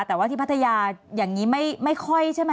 แต่ว่าที่พัทยาอย่างนี้ไม่ค่อยใช่ไหม